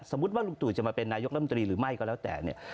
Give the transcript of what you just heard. สมมุติว่าลูกตัวจะมาเป็นนายกรมดรีหรือไม่ก็แล้วแต่เนี่ย